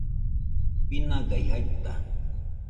binagai jaita